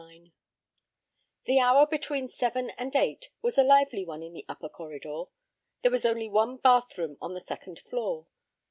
XLIX The hour between seven and eight was a lively one in the upper corridor. There was only one bathroom on the second floor.